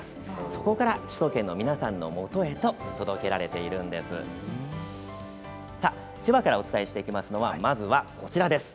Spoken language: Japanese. そこから首都圏の皆さんのもとへと届けられているんです。